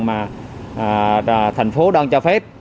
mà thành phố đoan cho phép